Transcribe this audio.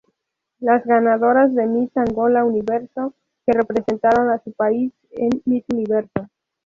Las ganadoras de Miss Angola Universo que representaron a su país en Miss Universo.